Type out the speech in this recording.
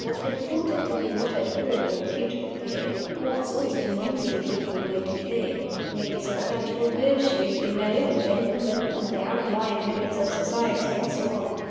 was reported to be not at all a reputable affair. All sorts of amusing people were to be there. Ladies of doubtful virtue, you know, and gentlemen on the outlying limits of society, and so on.